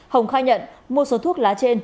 hồng khai nhận mua số thuốc lá trên